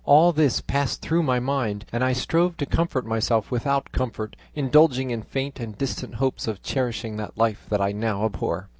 All this passed through my mind, and I strove to comfort myself without comfort, indulging in faint and distant hopes of cherishing that life that I now abhor.